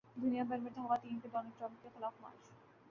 دنیا بھر میں خواتین کا ڈونلڈ ٹرمپ کے خلاف مارچ